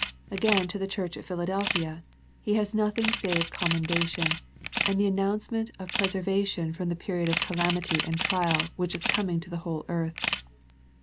Again to the church at Philadelphia, He has nothing save com mendation, and the announcement of preserva tion from the period of calamity and trial which is coming to the whole earth.